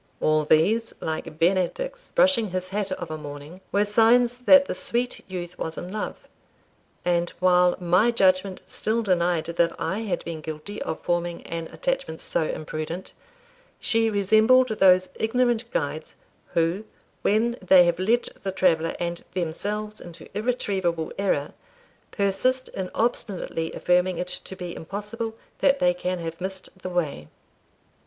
All these, like Benedick's brushing his hat of a morning, were signs that the sweet youth was in love; and while my judgment still denied that I had been guilty of forming an attachment so imprudent, she resembled those ignorant guides, who, when they have led the traveller and themselves into irretrievable error, persist in obstinately affirming it to be impossible that they can have missed the way.